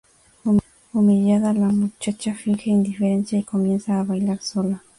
Humillada, la muchacha finge indiferencia y comienza a bailar sola.